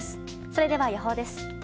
それでは予報です。